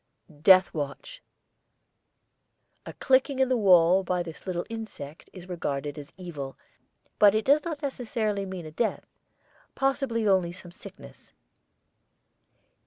DEATH WATCH. A clicking in the wall by this little insect is regarded as evil, but it does not necessarily mean a death; possibly only some sickness.